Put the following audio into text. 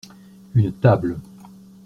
Une table.